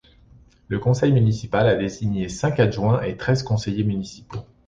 Le conseil municipal a désigné cinq adjoints et treize conseillers municipaux.